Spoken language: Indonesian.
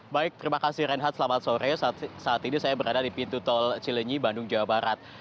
baik terima kasih renhat selamat sore saat ini saya berada di pintu tol cilenyi bandung jawa barat